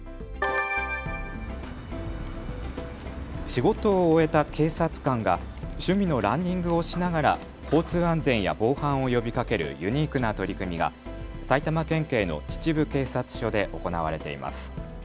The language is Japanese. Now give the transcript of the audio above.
仕事を終えた警察官が趣味のランニングをしながら交通安全や防犯を呼びかけるユニークな取り組みが埼玉県警の秩父警察署で行われています。